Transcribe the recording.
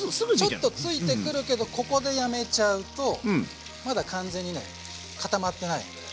ちょっとついてくるけどここでやめちゃうとまだ完全にね固まってない。